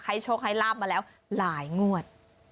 โชคให้ลาบมาแล้วหลายงวด